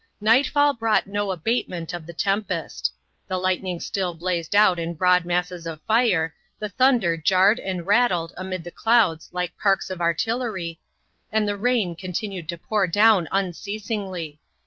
Night fall brought no abatement of the tempest. The lightning still blazed out in broad masses of fire, the thunder jarred and rattled amid the clouds like parks of artillery, and the rain continued to pour down unceasingly.